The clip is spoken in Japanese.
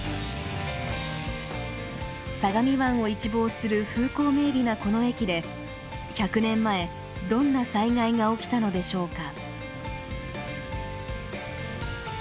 相模湾を一望する風光明美なこの駅で１００年前どんな災害が起きたのでしょうか？